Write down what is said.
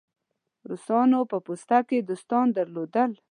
روسانو په پوسته کې دوستان درلودل.